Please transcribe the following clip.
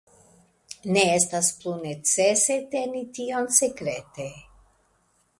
Ne estas plu necese teni tion sekrete.